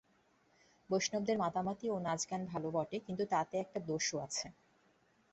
বৈষ্ণবদের মাতামাতি ও নাচ ভাল বটে, কিন্তু তাতে একটা দোষও আছে।